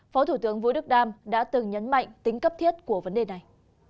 phó thủ tướng vũ đức đam đã từng nhấn mạnh tính cấp thiết của vấn đề này